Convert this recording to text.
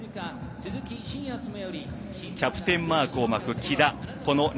キャプテンマークを巻く喜田。